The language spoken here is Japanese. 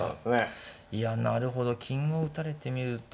いやなるほど金を打たれてみると。